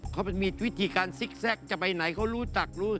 เขามีวิธีการซิกแซคจะไปไหนเขารู้จักรู้